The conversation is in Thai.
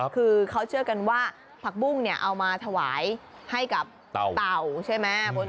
คือเขาเชื่อกันว่าผักบุ้งเนี่ยเอามาถวายให้กับเต่าใช่ไหม